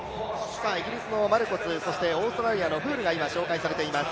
イギリスの選手、オーストラリアのフールが紹介されています。